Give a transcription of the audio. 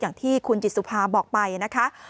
อย่างที่คุณจิตสุภาบอกไปนะคะ